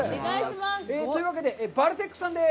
というわけで、バルテックさんです。